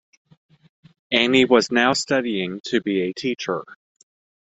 Annie was now studying to be a teacher.